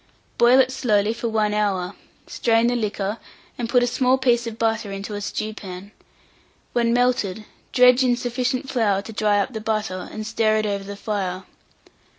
Boil it slowly for 1 hour, strain the liquor, and put a small piece of butter into a stewpan; when melted, dredge in sufficient flour to dry up the butter, and stir it over the fire.